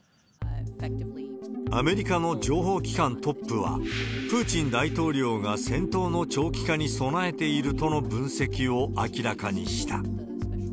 アメリカの情報機関トップは、プーチン大統領が戦闘の長期化に備えているとの分析を明らかにした。